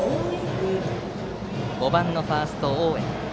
５番のファースト、大江。